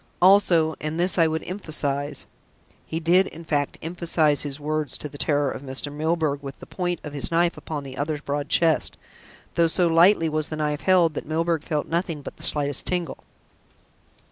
Also and this I would emphasise." He did, in fact, emphasise his words to the terror of Mr. Milburgh, with the point of his knife upon the other's broad chest, though so lightly was the knife held that Milburgh felt nothing but the slightest tingle.